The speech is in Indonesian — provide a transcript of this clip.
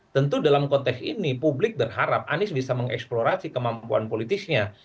tentu dalam konteks ini publik berharap anies bisa mengeksplorasi kemampuan politisnya